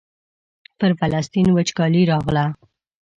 پر فلسطین وچکالي راغله.